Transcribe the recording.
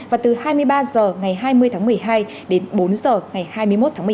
và từ hai mươi ba h ngày hai mươi tháng một mươi hai đến bốn h ngày hai mươi một tháng một mươi một